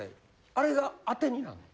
あれがアテになんの？